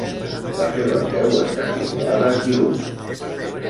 La seva seu està situada a Kiruna.